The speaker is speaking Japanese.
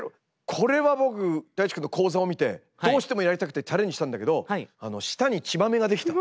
これは僕Ｄａｉｃｈｉくんの講座を見てどうしてもやりたくてチャレンジしたんだけど舌に血まめが出来た。